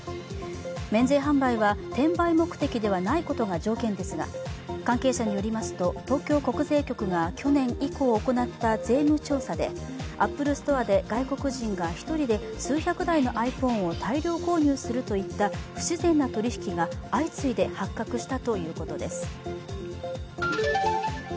免税販売は転売目的ではないことが条件ですが関係者によりますと、東京国税局が去年以降行った税務調査でアップルストアで外国人が１人で数百台のｉＰｈｏｎｅを大量購入するといった不自然な取り引きが相次いで発覚したということです。